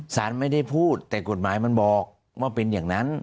สารไม่ได้พูดแต่กฎหมายมันบอกว่าเป็นอย่างนั้น